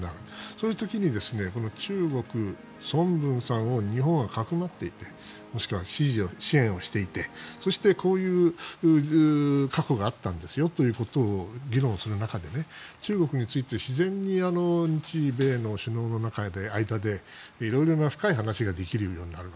そういう時に中国、孫文さんを日本がかくまっていてもしくは支援をしていてそして、こういう過去があったんですよということを議論する中で中国について自然に日米の首脳の間で色々な深い話ができるようになる。